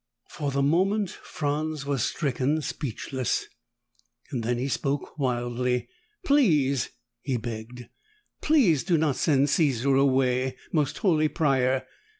For the moment, Franz was stricken speechless. Then he spoke wildly. "Please!" he begged. "Please do not send Caesar away, Most Holy Prior!